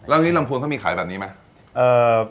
แล้วที่ลำพูนเขามีขายแบบนี้ไหม